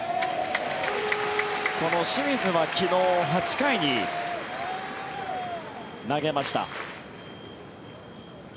この清水は昨日８回に投げました。